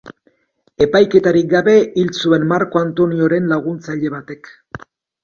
Epaiketarik gabe hil zuen Marko Antonioren laguntzaile batek.